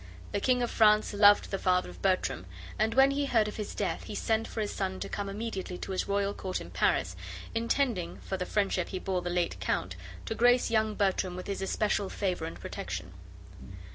The King of France loved the father of Bertram, and when he heard of his death he sent for his son to come immediately to his royal court in Paris, intending, for the friendship he bore the late count, to grace young Bertram with his especial favor and protection.